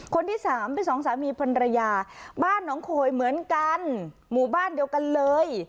คนที่สามเป็นสองสามีภรรยาบ้านน้องโขยเหมือนกันหมู่บ้านเดียวกันเลย